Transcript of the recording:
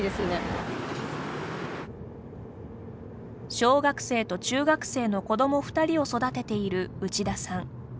小学生と中学生の子ども２人を育てている内田さん。